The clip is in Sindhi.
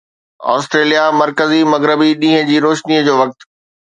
آسٽريليا مرڪزي مغربي ڏينهن جي روشني جو وقت